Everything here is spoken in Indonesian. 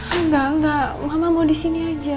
enggak enggak mama mau di sini aja